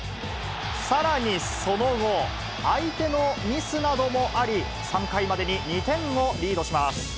さらにその後、相手のミスなどもあり、３回までに２点をリードします。